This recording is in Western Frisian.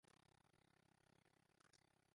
It liket wol as wurdt it oanbod mei de wike grutter.